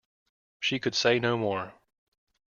She could say no more.